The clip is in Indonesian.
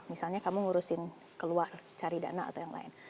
misalnya kamu ngurusin keluar cari dana atau yang lain